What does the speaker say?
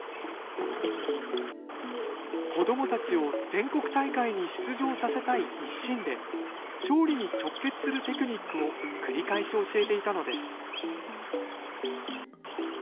子どもたちを全国大会に出場させたい一心で、勝利に直結するテクニックを繰り返し教えていたのです。